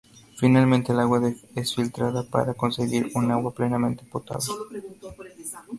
Finalmente el agua es filtrada para conseguir un agua plenamente potable.